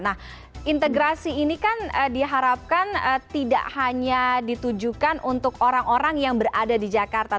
nah integrasi ini kan diharapkan tidak hanya ditujukan untuk orang orang yang berada di jakarta